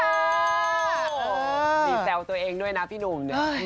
มีแซวตัวเองด้วยนะพี่หนุ่ม